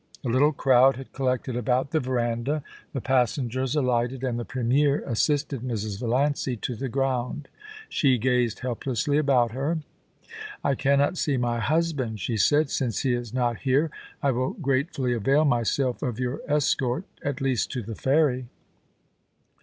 A little crowd had collected about the verandah ; the passengers alighted, and the Premier assisted Mrs. Valiancy to the ground. She gazed helplessly about her. * I cannot see my husband,' she said. * Since he is not here I will gratefully avail myself of your escort — at least to the ferry.'